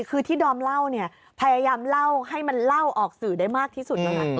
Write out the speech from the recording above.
คือที่ดอมเล่าเนี่ยพยายามเล่าให้มันเล่าออกสื่อได้มากที่สุดแล้วนะ